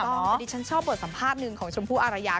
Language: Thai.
แต่ดิฉันชอบบทสัมภาษณ์หนึ่งของชมพู่อารยา